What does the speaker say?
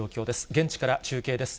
現地から中継です。